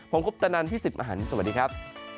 ผมกรุ๊ปตะนันท์พี่สิบอาหารสวัสดีครับ